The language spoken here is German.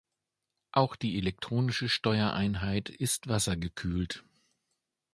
Auch die elektronische Steuereinheit ist wassergekühlt.